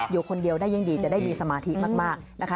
อยู่คนเดียวได้ยิ่งดีจะได้มีสมาธิมากนะคะ